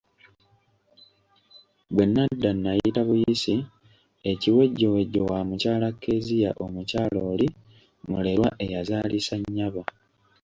Bwe nnadda nayita buyisi ekiwejjowejjo wa mukyala Kezia omukyala oli mulerwa eyazaalisa nnyabo.